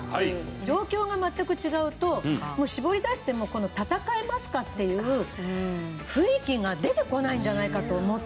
状況が全く違うともう絞り出してもこのタタカエマスカっていう雰囲気が出てこないんじゃないかと思って。